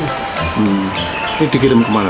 ini dikirim kemana